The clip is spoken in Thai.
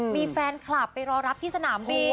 มีแฟนคลับไปรอรับที่สนามบิน